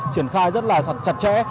triển khai rất là chặt chẽ